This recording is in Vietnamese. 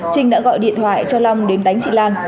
trinh đã gọi điện thoại cho long đến đánh chị lan